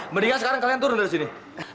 mendingan sekarang kalian turun dari sini